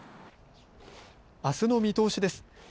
あすの見通しです。